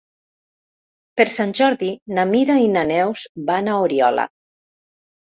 Per Sant Jordi na Mira i na Neus van a Oriola.